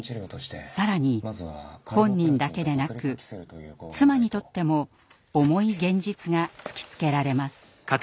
更に本人だけでなく妻にとっても重い現実が突きつけられます。